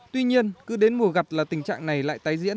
tuy nhiên cứ đến mùa gặt là tình trạng này lại tái diễn